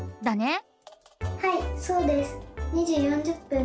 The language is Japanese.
はいそうです。